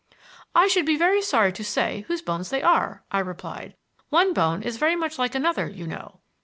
"I should be very sorry to say whose bones they are," I replied. "One bone is very much like another, you know."